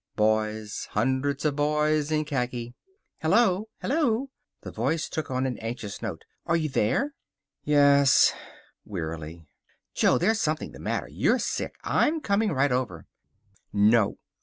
Boys, hundreds of boys, in khaki. "Hello! Hello!" The voice took on an anxious note. "Are you there?" "Yes," wearily. "Jo, there's something the matter. You're sick. I'm coming right over." "No!"